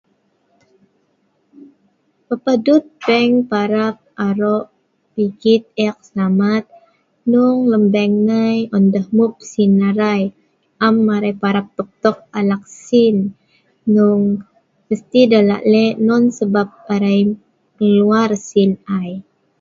papah dut bank parap arok ligit ek selamat hnung lem bank nei on deh mup sin arai am arai parap tok tok alak sin hnung mesti deh lak lek non sebab arai ngeluar sin ai